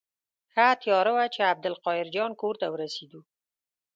ښه تیاره وه چې عبدالقاهر جان کور ته ورسېدو.